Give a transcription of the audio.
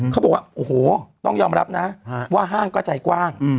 เขาบอกว่าโอ้โหต้องยอมรับนะว่าห้างก็ใจกว้าง